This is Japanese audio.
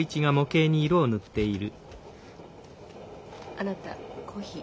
あなたコーヒー。